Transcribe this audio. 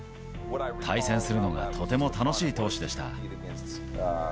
対戦するのがとても楽しい投手でした。